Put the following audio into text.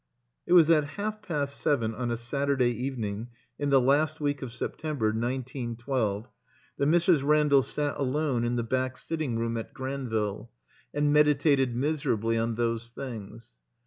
It was at half past seven on a Sattirday evening in the last week of September, nineteen twelve, that Mrs. Randall sat alone in the back sitting room 3Sa THE COMBINED MAZE at Granville and meditated miserably on those things.